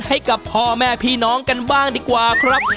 ให้กับพ่อแม่พี่น้องกันบ้างดีกว่าครับ